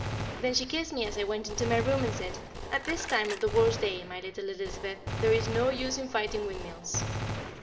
Then she kissed me as I went into my room and said; "At this time of the world's day, my little Elizabeth, there is no use in fighting windmills."